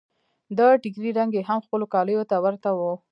د ټکري رنګ يې هم خپلو کاليو ته ورته و.